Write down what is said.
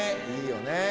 いいよね。